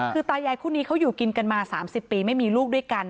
คือตายายคู่นี้เขาอยู่กินกันมา๓๐ปีไม่มีลูกด้วยกัน